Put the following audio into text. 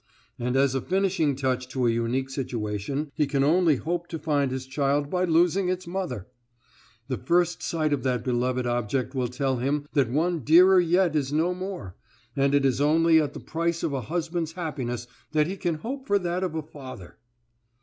And as a finishing touch to a unique situation, he can only hope to find his child by losing its mother! The first sight of that beloved object will tell him that one dearer yet is no more; and it is only at the price of a husband's happiness that he can hope for that of a father!"